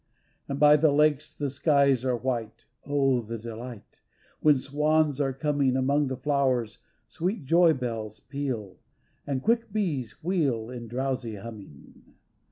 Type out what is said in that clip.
And by the lakes the skies are white, (Oh, the delight!) when swans are coming, Among the flowers sweet joy bells peal, And quick bees wheel in drowsy humming.